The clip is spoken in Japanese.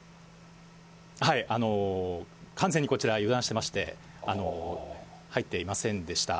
完全にこちら、油断してまして、入っていませんでした。